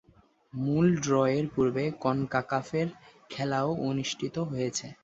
মূল ড্রয়ের পূর্বে কনকাকাফের খেলা-ও অনুষ্ঠিত হয়েছে।